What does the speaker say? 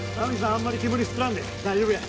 あんまり煙吸っとらんで大丈夫や。